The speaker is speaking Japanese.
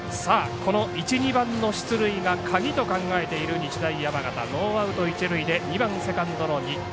この１、２番の出塁が鍵と考えている日大山形ノーアウト、一塁で２番セカンドの新田。